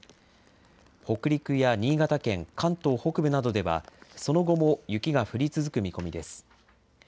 北陸や新潟県、関東北部などでは、その後も雪が降り続く見込みです。